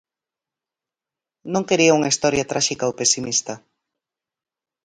Non quería unha historia tráxica ou pesimista.